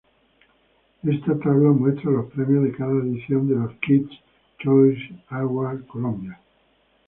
Esta tabla muestra los premios de cada edición de los Kids Choice Awards Colombia.